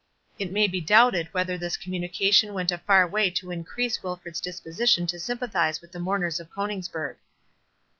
—It may be doubted whether this communication went a far way to increase Wilfred's disposition to sympathize with the mourners of Coningsburgh.